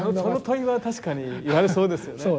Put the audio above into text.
その問いは確かに言われそうですよね。